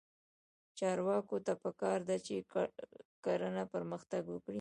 چارواکو ته پکار ده چې، کرنه پرمختګ ورکړي.